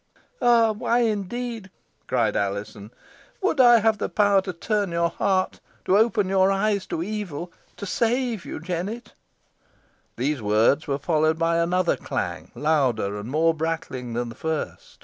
"Ah! why, indeed?" cried Alizon. "Would I had the power to turn your heart to open your eyes to evil to save you, Jennet." These words were followed by another clang, louder and more brattling than the first.